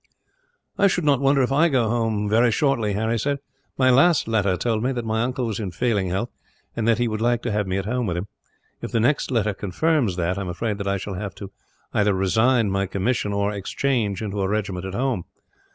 "I should not wonder if I go home, very shortly," Harry said. "My last letter told me that my uncle was in failing health, and that he would like to have me at home with him. If the next letter confirms that, I am afraid I shall have either to resign my commission, or exchange into a regiment at home.